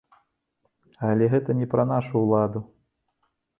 Але гэта не пра нашу ўладу.